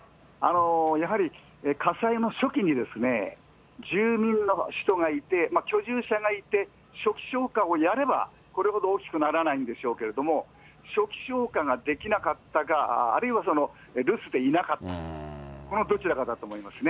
やはり火災の初期に、住民の人がいて、居住者がいて、初期消火をやれば、これほど大きくならないんでしょうけれども、初期消火ができなかったか、あるいは留守でいなかったか、このどちらかだと思いますね。